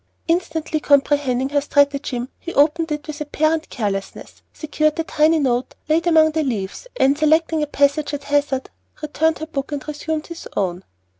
Instantly comprehending her stratagem, he opened it with apparent carelessness, secured the tiny note laid among the leaves, and, selecting a passage at hazard, returned her book and resumed his own.